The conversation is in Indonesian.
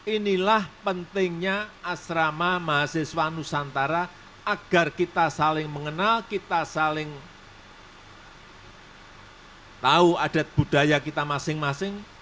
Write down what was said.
inilah pentingnya asrama mahasiswa nusantara agar kita saling mengenal kita saling tahu adat budaya kita masing masing